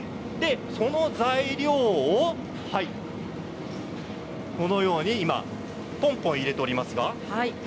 その材料を、このように今ポンポン入れておりますが。